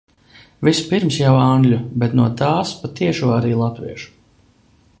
Visupirms jau angļu, bet no tās pa tiešo arī latviešu.